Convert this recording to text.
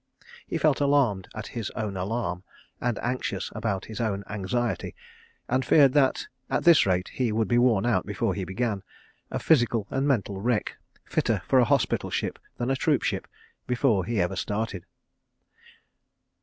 He felt alarmed at his own alarm, and anxious about his own anxiety—and feared that, at this rate, he would be worn out before he began, a physical and mental wreck, fitter for a hospital ship than a troop ship, before ever he started.